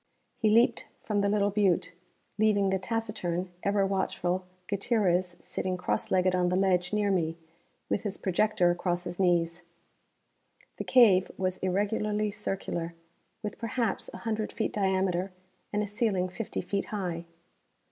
He leaped from the little butte, leaving the taciturn ever watchful Gutierrez sitting cross legged on the ledge near me, with his projector across his knees. The cave was irregularly circular, with perhaps, a hundred feet diameter and a ceiling fifty feet high.